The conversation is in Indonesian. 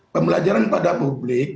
pembelajaran pada publik